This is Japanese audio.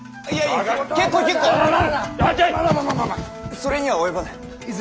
それには及ばぬ！